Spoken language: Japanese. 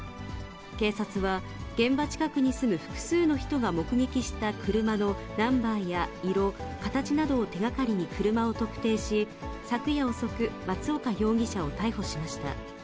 警察は、現場近くに住む複数の人が目撃した車のナンバーや色、形などを手がかりに車を特定し、昨夜遅く、松岡容疑者を逮捕しました。